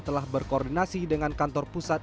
telah berkoordinasi dengan kantor pusat